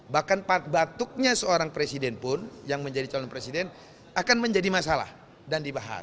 bahkan batuknya seorang presiden pun yang menjadi calon presiden akan menjadi masalah dan dibahas